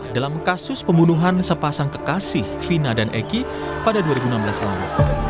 dalam kasus pembunuhan sepasang kekasih fina dan eki pada dua ribu enam belas lalu